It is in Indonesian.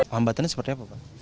lambatannya seperti apa pak